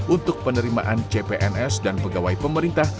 untuk penerimaan cpns dan pegawai pemerintah